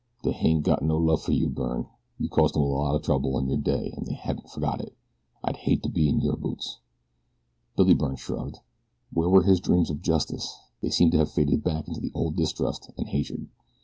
They hain't got no love for you, Byrne. You caused 'em a lot o' throuble in your day an' they haven't forgot it. I'd hate to be in your boots." Billy Byrne shrugged. Where were his dreams of justice? They seemed to have faded back into the old distrust and hatred.